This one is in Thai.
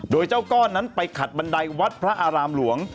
โดยเจ้าก้อนนั้นไปขัดบันไดวัดพระอารามหลวง